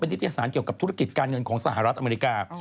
นิทยาสารเกี่ยวกับธุรกิจการเงินของสหรัฐอเมริกา